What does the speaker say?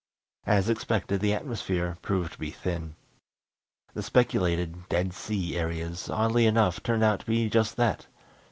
As expected the atmosphere proved to be thin. The speculated dead sea areas, oddly enough, turned out to be just that.